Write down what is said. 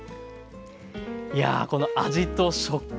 いやこの味と食感